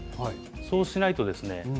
そうしないとですね